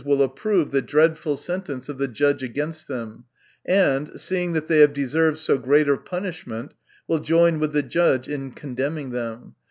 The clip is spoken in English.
l approve the dreadful sentence of the judge against them, and seeing that they have deserved so great a punish ment, will join with the judge in condemning them.